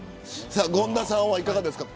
権田さんはいかがですか。